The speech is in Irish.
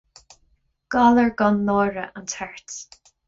Galar gan náire an tart.